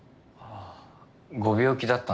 ああ？